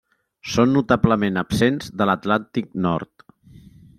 Són notablement absents de l'Atlàntic nord.